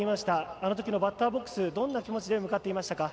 あのときのバッターボックスどんな気持ちで向かっていましたか？